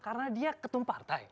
karena dia ketum partai